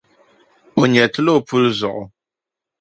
O nyɛriti la o puli zuɣu.